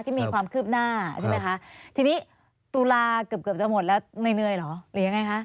ที่มีความคืบหน้าใช่ไหมคะภาพที่ตูราเกือบจะหมดแล้วเหนื่อยหรือยังไง